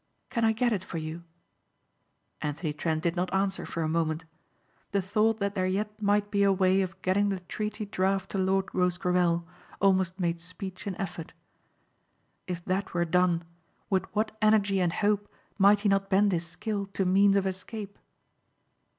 Can I get it for you?" Anthony Trent did not answer for a moment. The thought that there yet might be a way of getting the treaty draft to Lord Rosecarrel almost made speech an effort. If that were done with what energy and hope might he not bend his skill to means of escape!